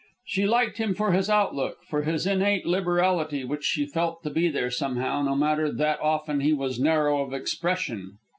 She liked him for his outlook, for his innate liberality, which she felt to be there, somehow, no matter that often he was narrow of expression.